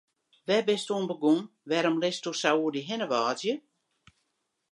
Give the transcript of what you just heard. Wêr bist oan begûn, wêrom litst sa oer dy hinne wâdzje?